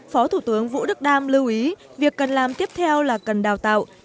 phó thủ tướng vũ đức đam lưu ý việc cần làm tiếp theo là cần đào tạo